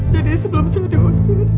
jadi sebelum saya diusir